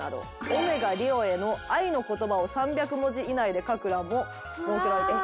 おめがリオへの愛の言葉を３００文字以内で書く欄も設けられてる。